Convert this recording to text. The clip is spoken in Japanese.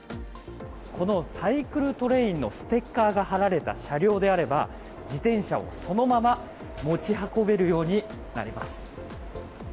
このサイクルトレインのステッカーが貼られた車両であれば自転車をそのまま持ち運べるようになります。